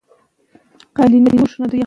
د ادب هره برخه خپل ارزښت لري.